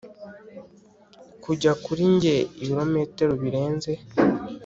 kujya kuri njye ibirometero birenze